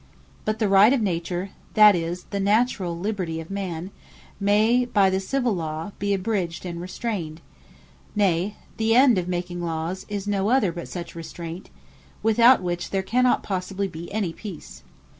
But the Right of Nature, that is, the naturall Liberty of man, may by the Civill Law be abridged, and restrained: nay, the end of making Lawes, is no other, but such Restraint; without the which there cannot possibly be any Peace.